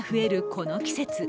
この季節。